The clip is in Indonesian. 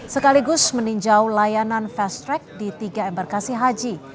sekaligus meninjau layanan fast track di tiga embarkasi haji